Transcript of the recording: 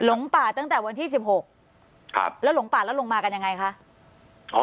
หลงป่าตั้งแต่วันที่๑๖แล้วหลงป่าแล้วลงมากันยังไงคะ